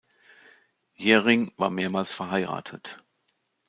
Jhering war mehrmals verheiratet.